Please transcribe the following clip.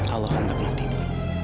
allah akan mengaknati itu